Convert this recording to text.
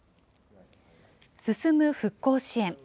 進む復興支援。